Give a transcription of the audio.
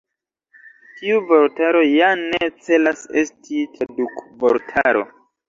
Tiu vortaro ja ne celas esti tradukvortaro.